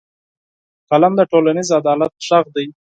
قلم د ټولنیز عدالت غږ دی